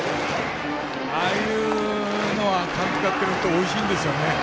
ああいうのは監督やっているとおいしいんですよね。